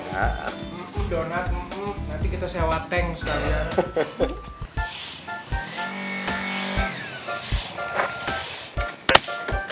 bu dona nunggu nanti kita sewa tank sekalian